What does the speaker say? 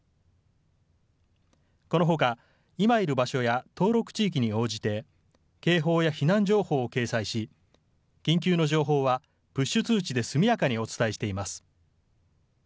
このほか、今いる場所や登録地域に応じて警報や避難情報を掲載し緊急の情報はプッシュ通知で速やかにお伝えしています。